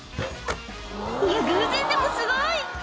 偶然でもすごい。